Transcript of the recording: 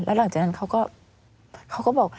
แล้วหลังจากนั้นเขาก็บอก